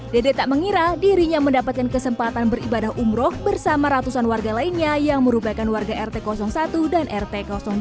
dede tak mengira dirinya mendapatkan kesempatan beribadah umroh bersama ratusan warga lainnya yang merupakan warga rt satu dan rt dua